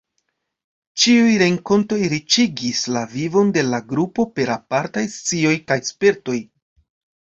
Ĉiuj renkontoj riĉigis la vivon de la Grupo per apartaj scioj kaj spertoj.